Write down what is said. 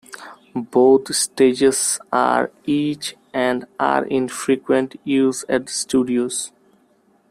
Both stages are each and are in frequent use at the studios.